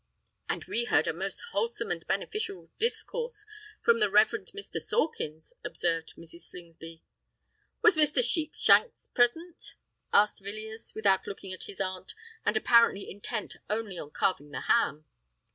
"And we heard a most wholesome and beneficial discourse from the Reverend Mr. Sawkins," observed Mrs. Slingsby. "Was Mr. Sheepshanks present?" inquired Villiers, without looking at his aunt, and apparently intent only on carving the ham.